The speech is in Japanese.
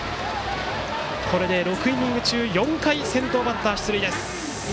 これで、６イニング中４回先頭バッター出塁。